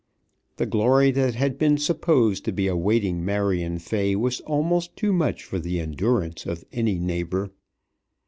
The glory that had been supposed to be awaiting Marion Fay was almost too much for the endurance of any neighbour.